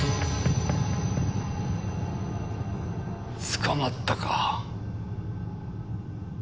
捕まったか。